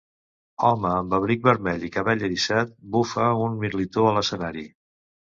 Home amb abric vermell i cabell eriçat bufa un mirlitó a l'escenari.